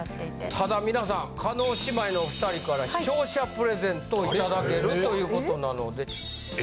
ただ皆さん叶姉妹のお２人から視聴者プレゼントをいただけるという事なので。え？